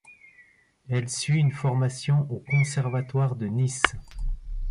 Elle suit une formation au Conservatoire de Nice.